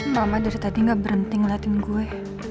maka mama dari tadi nggak berhenti ngeliatin gue